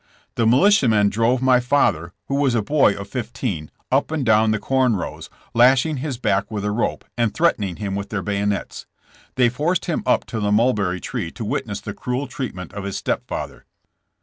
The militiamen drove my father, who was a boy of fifteen, up and down the corn rows, lashing his back with a rope and threatening him with their bayonets. They forced him up to the mulberry tree to witness the cruel treatment of his stepfather.